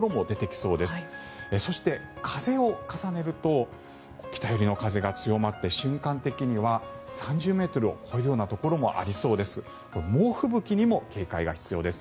そして、風を重ねると北寄りの風が強まって瞬間的には３０ｍを超えるようなところもありそうです。